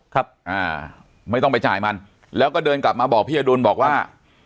ครับอ่าไม่ต้องไปจ่ายมันแล้วก็เดินกลับมาบอกพี่อดุลบอกว่า